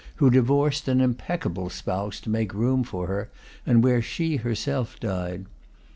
who divorced an impeccable spouse to make room for her, and where she herself died.